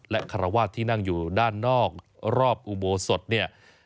และคารวาสที่นั่งอยู่ด้านนอกรอบอุโบสถเนี่ย